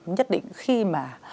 nhất định khi mà